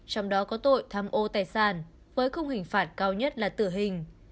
trong đó có tội tham ô tài sản với khung hình phạt cao nhất là tử hình